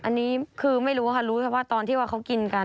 อันนี้คือไม่รู้ค่ะรู้เฉพาะตอนที่ว่าเขากินกัน